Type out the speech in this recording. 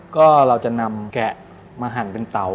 ก็เราจะนำแกะมาหั่นเป็นเตา